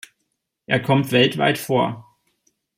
Er kommt weltweit vor.